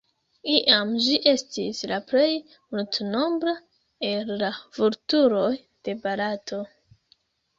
Iam ĝi estis la plej multnombra el la vulturoj de Barato.